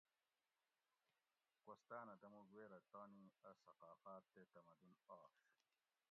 کوستاۤنہ دموگ ویرہ تانی اۤ ثقافات تے تمدن آش